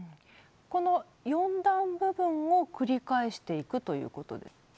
この４段部分を繰り返していくということ？